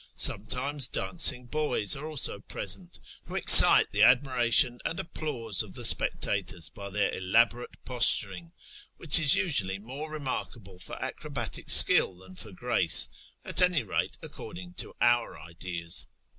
Sometimes dancing boys are also present, who excite the admiration and applause of the spectators by their elaborate posturing, which is usually more remarkable for acrobatic skill than for grace, at any rate according to our ideas.